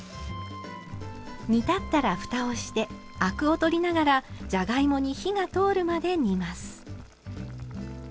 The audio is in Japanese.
煮立ったらふたをしてアクを取りながらじゃがいもに火が通るまで煮ます。